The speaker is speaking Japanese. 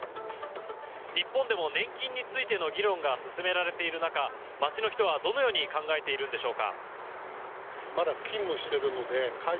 日本でも年金についての議論が進められている中街の人はどのように考えているんでしょうか。